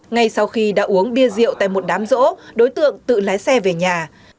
ngay sau khi đã uống bia rượu tại một đám rỗ đối tượng tự lái xe về nhà